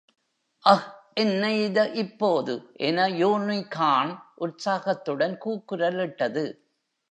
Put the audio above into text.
அஹ், என்ன இத, இப்போது? என யூனிகார்ன் உற்சாகத்துடன் கூக்குரலிட்டது.